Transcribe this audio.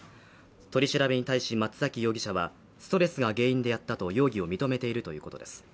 取り調べに対し松崎容疑者はストレスが原因でやったと容疑を認めているということです